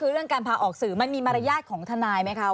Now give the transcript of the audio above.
คือเรื่องการพาออกสื่อมันมีมารยาทของทนายไหมคะ